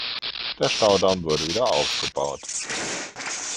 Der Staudamm wurde wieder aufgebaut.